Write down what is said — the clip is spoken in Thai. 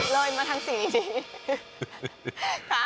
เลยมาทั้งสิ่งดี